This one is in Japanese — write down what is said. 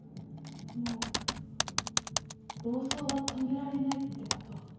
もう暴走は止められないってこと？